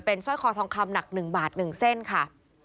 เป็นสร้อยคอทองคำหนักหนึ่งบาทหนึ่งเส้นค่ะ